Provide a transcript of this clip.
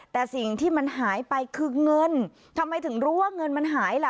แต่สิ่งที่มันหายไปคือเงินทำไมถึงรู้ว่าเงินมันหายล่ะ